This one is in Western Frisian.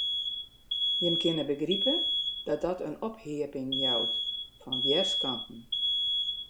Jim kinne begripe dat dat in opheapping jout fan wjerskanten.